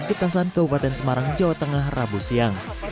getasan kebupaten semarang jawa tengah rabu siang